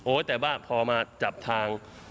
แต่ว่าพอมาจับทาง